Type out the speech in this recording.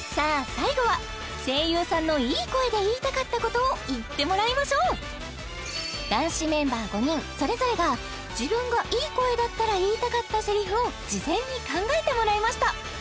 最後は声優さんのいい声で言いたかったことを言ってもらいましょう男子メンバー５人それぞれが自分がいい声だったら言いたかったセリフを事前に考えてもらいました